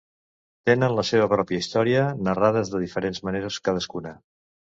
Tenen la seva pròpia història, narrades de diferents maneres cadascuna.